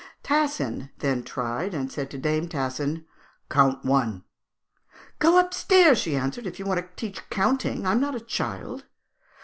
Tassin then tried, and said to dame Tassin, 'Count one!' 'Go upstairs!' she answered, 'if you want to teach counting, I am not a child.'